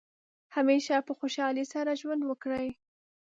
همیشه په خوشحالۍ سره ژوند وکړئ.